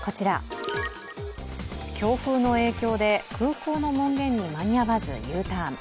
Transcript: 強風の影響で空港の門限に間に合わずＵターン。